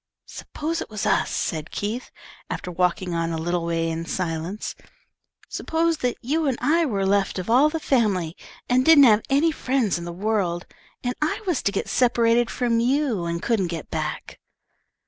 "S'pose it was us," said Keith, after walking on a little way in silence. "S'pose that you and I were left of all the family, and didn't have any friends in the world, and I was to get separated from you and couldn't get back?"